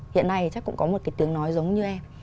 hiện nay chắc cũng có một cái tiếng nói giống như em